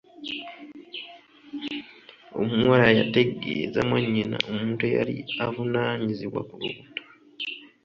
Omuwala yategeeza mwannyina omuntu eyali avunaanizibwa ku lubuto.